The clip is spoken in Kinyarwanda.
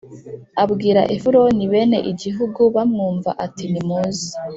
Abwira Efuroni bene igihugu bamwumva ati nimuze